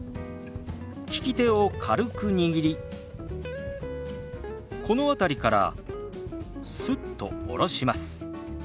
利き手を軽く握りこの辺りからスッと下ろします。